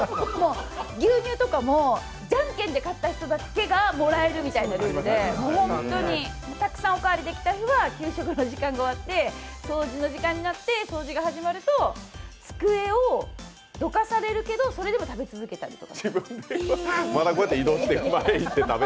牛乳とかもじゃんけんで勝った人だけがもらえるみたいなルールで本当にたくさんおかわりできた日は給食の時間が終わって掃除の時間になって掃除が始まると、机をどかされるけど、それでも食べ続けたり。